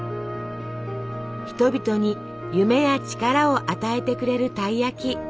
人々に夢や力を与えてくれるたい焼き。